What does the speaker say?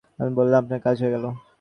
আমি বললাম, আপনার কাজ হয়ে গেল?